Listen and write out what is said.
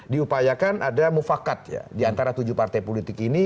diupayakan ada mufakat di antara tujuh partai politik ini